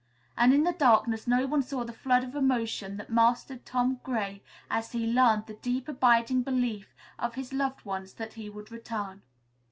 And in the darkness no one saw the flood of emotion that mastered Tom Gray as he learned the deep, abiding belief of his loved ones that he would return.